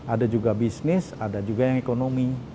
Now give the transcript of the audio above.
ada juga bisnis ada juga yang ekonomi